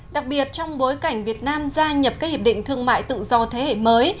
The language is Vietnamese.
đặc biệt trong bối cảnh việt nam gia nhập các hiệp định thương mại tự do thế hệ mới